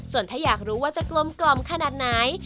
ส่วนถ้าอยากรู้ว่าจะกลมกล่อมขนาดไหน